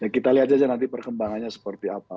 kita lihat saja nanti perkembangannya seperti apa